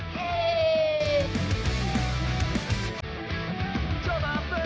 mereka meng remembersa ajarannya